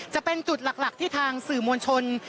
จะเป็นจุดหลักที่ทางสื่อมวลชน